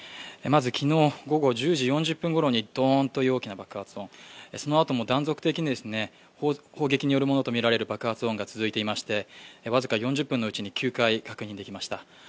まず昨日午後１０時４０分ごろにドーンという大きな爆発音、その後も断続的に砲撃によるものとみられる爆発音が続いていまして僅か４０分のうちに９回確認できました。